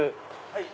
はい。